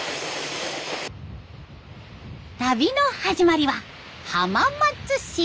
旅の始まりは浜松市。